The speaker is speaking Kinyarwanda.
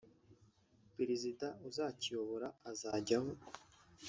Perezida uzakiyobora azajyaho